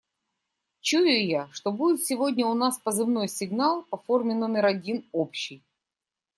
Чую я, что будет сегодня у нас позывной сигнал по форме номер один общий.